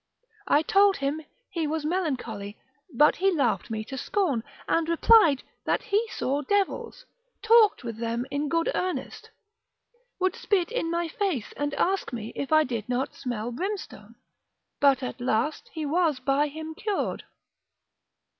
I told him he was melancholy, but he laughed me to scorn, and replied that he saw devils, talked with them in good earnest, Would spit in my face, and ask me if 1 did not smell brimstone, but at last he was by him cured.